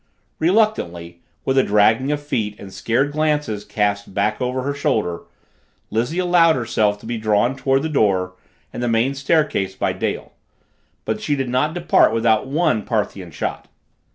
Reluctantly, with a dragging of feet and scared glances cast back over her shoulder, Lizzie allowed herself to be drawn toward the door and the main staircase by Dale. But she did not depart without one Parthian shot.